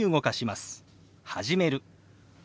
「始める」。